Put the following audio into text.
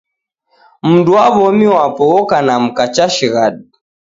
Mundu wa w'omi wapo oka na mka chashighadi